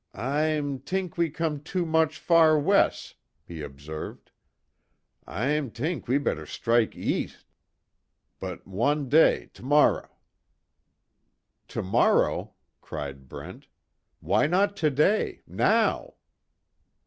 "I'm t'ink, we com' too mooch far wes'," he observed, "I'm t'ink, we better strike eas', 'bout wan day, tomor'." "Tomorrow!" cried Brent. "Why not today now?"